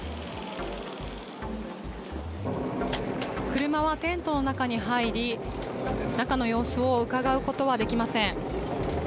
車はテントの中に入り、中の様子をうかがうことはできません。